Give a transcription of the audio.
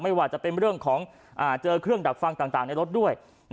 ไม่ว่าจะเป็นเรื่องของเจอเครื่องดักฟังต่างในรถด้วย